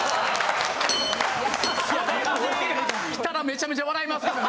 来たらめちゃめちゃ笑いますけどね。